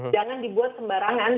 jangan dibuat sembarangan